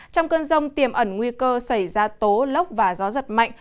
trong cơn rông tiềm ẩn nguy cơ xảy ra tố lốc và gió giật mạnh